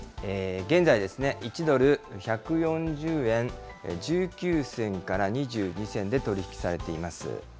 現在ですね、１ドル１４０円１９銭から２２銭で取り引きされています。